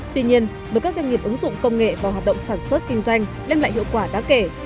tuy nhiên với các doanh nghiệp ứng dụng công nghệ vào hoạt động sản xuất kinh doanh đem lại hiệu quả đáng kể